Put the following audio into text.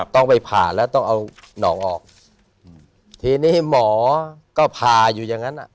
ต้องไปผ่าแล้วต้องเอาหนองออกทีนี้หมอก็ผ่าอยู่อย่างนั้นอ่ะ